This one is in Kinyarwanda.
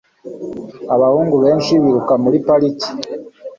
Abahungu benshi biruka muri parike